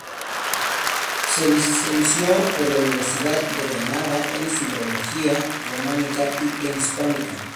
Se licenció por la Universidad de Granada en filología románica y en hispánica.